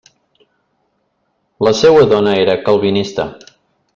La seua dona era calvinista.